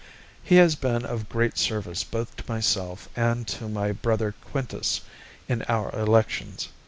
He has been of great service both to myself and to my brother Quintus in our elections.